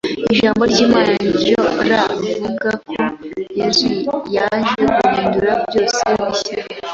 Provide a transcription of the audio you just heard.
Ijambo ry’Imana niryo rvuga ko Yesu yaje guhindura byose bishya